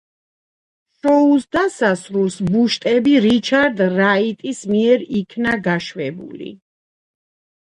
შოუს დასასრულს ბუშტები რიჩარდ რაიტის მიერ იქნა გაშვებული.